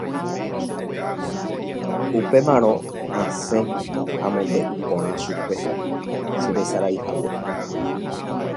Upémarõ asẽ amombe'u porã chupe cheresaraihague.